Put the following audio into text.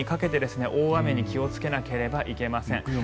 木曜日にかけて大雨に気をつけなければいけません。